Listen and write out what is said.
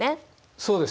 そうですね。